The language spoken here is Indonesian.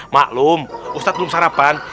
maklum ustadz belum sarapan